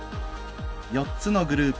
４つのグループ